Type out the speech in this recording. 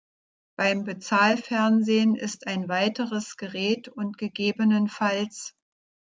Beim Bezahlfernsehen ist ein weiteres Gerät und ggfs.